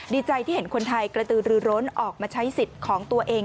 ดีใจที่เห็นคนไทยกระตือรือร้นออกมาใช้สิทธิ์ของตัวเอง